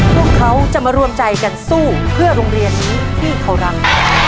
พวกเขาจะมารวมใจกันสู้เพื่อโรงเรียนนี้ที่เขารัก